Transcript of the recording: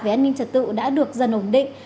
về an ninh trật tự đã được dần ổn định